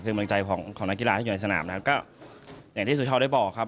คือเมืองใจของของนักกีฬาที่อยู่ในสนามนะครับก็อย่างที่สุชอลได้บอกครับ